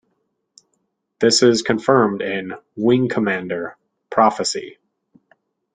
This is confirmed in "Wing Commander: Prophecy".